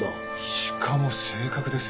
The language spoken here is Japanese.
しかも正確ですよ。